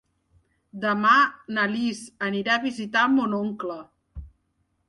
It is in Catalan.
Demà na Lis anirà a visitar mon oncle.